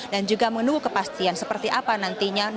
dan juga menunggu kepastian seperti apa hakim akan memutuskan kasus ini